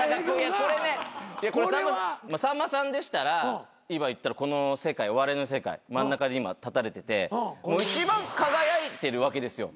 これねさんまさんでしたら今言ったらこの世界お笑いの世界真ん中に今立たれてて一番輝いてるわけですよ。